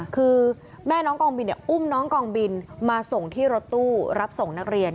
คือแม่น้องกองบินอุ้มน้องกองบินมาส่งที่รถตู้รับส่งนักเรียน